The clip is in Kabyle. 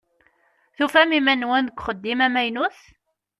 Tufam iman-nwen deg uxeddim amaynut?